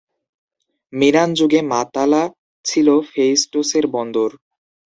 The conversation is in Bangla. মিনান যুগে মাতালা ছিল ফেইস্টোসের বন্দর।